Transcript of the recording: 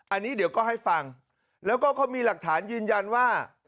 อันนี้เดี๋ยวก็ให้ฟังแล้วก็เขามีหลักฐานยืนยันว่า